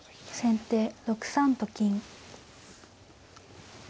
先手６三と金。